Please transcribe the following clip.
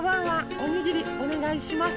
おにぎりおねがいします。